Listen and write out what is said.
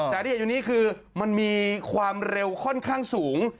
แต่ที่เห็นอยู่นี้คือมันมีความเร็วค่อนข้างสูง